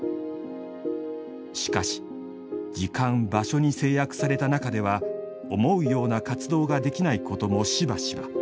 しかし時間場所に制約された中では思うような活動ができないこともしばしば。